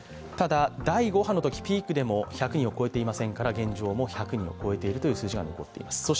ただ、第５波のときピークでも１００人を超えていませんので現状、もう１００人を超えているという数字が残っています。